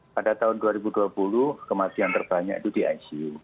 pada tahun dua ribu dua puluh kematian terbanyak itu di icu